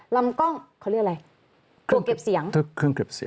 ลำกล้องเขาเรียกอะไร